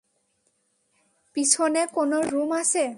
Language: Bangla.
পিছনে কোন রুম আছে?